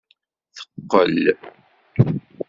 Teqqel.